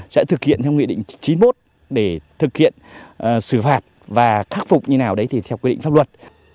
sẽ thực hiện theo nghị định chín mươi một để thực hiện xử phạt và khắc phục như nào đấy thì theo quy định pháp luật